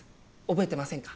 憶えてませんか？